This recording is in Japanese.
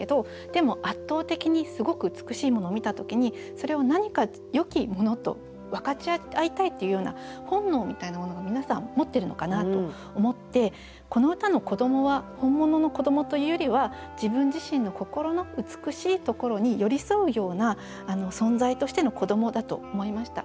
でも圧倒的にすごく美しいものを見た時にそれを何かよき者と分かち合いたいっていうような本能みたいなものが皆さん持ってるのかなと思ってこの歌の子どもは本物の子どもというよりは自分自身の心の美しいところに寄り添うような存在としての子どもだと思いました。